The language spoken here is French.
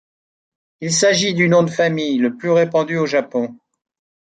Il s'agit du nom de famille le plus répandu au Japon.